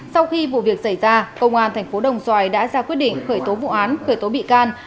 sau khi vụ việc xảy ra công an tp đồng xoài đã ra quyết định khởi tố vụ án khởi tố bị can